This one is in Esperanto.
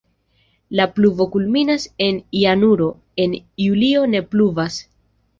La pluvo kulminas en januaro, en julio ne pluvas.